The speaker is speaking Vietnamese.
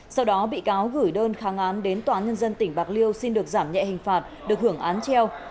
sau đó bị cáo gửi đơn kháng án đến tòa án nhân dân tỉnh bạc liêu xin được giảm nhẹ hình phạt được hưởng án treo